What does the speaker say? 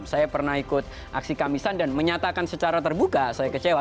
saya pernah ikut aksi kamisan dan menyatakan secara terbuka saya kecewa